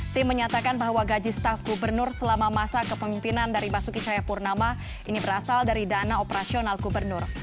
tim menyatakan bahwa gaji staf gubernur selama masa kepemimpinan dari basuki cahayapurnama ini berasal dari dana operasional gubernur